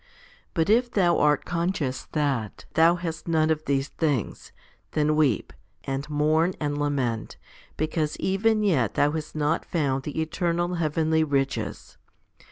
But if thou art con scious that thou hast none of these things, then weep, and mourn, and lament, because even yet thou hast not found the eternal heavenly riches.